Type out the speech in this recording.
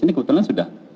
ini kebetulan sudah